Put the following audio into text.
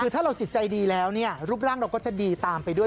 คือถ้าเราจิตใจดีแล้วรูปร่างเราก็จะดีตามไปด้วย